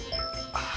ああ。